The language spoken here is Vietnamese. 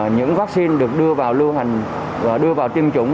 những vaccine được đưa vào lưu hành và đưa vào tiêm chủng